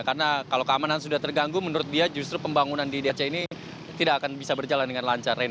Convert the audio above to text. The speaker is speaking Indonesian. karena kalau keamanan sudah terganggu menurut dia justru pembangunan di aceh ini tidak akan bisa berjalan dengan lancar